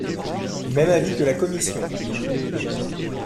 Même avis que la commission.